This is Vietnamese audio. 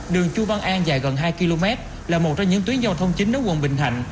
đường chu văn an dài gần hai km là một trong những tuyến giao thông chính nếu quận bình thạnh